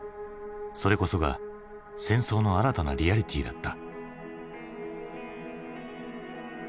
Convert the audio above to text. それこそが戦争の新たなリアリティーだった。